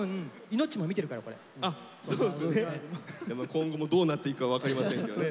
今後もどうなっていくか分かりませんけどね